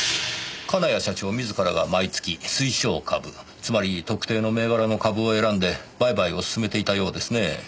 金谷社長自らが毎月推奨株つまり特定の銘柄の株を選んで売買を勧めていたようですねえ。